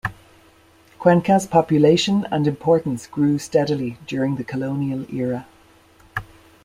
Cuenca's population and importance grew steadily during the colonial era.